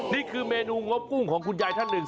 นี่คือเมนูงบกุ้งของคุณยายท่านหนึ่ง